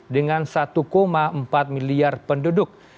dengan satu empat miliar penduduk